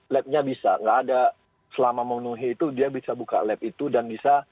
labnya bisa nggak ada selama memenuhi itu dia bisa buka lab itu dan bisa